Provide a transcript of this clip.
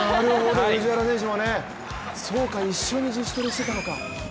藤原選手も、そうか一緒に自主トレしてたのか。